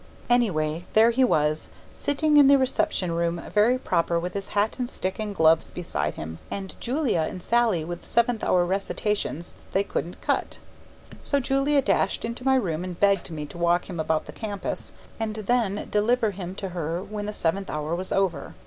Anyway, there he was, sitting in the reception room very proper with his hat and stick and gloves beside him; and Julia and Sallie with seventh hour recitations that they couldn't cut. So Julia dashed into my room and begged me to walk him about the campus and then deliver him to her when the seventh hour was over.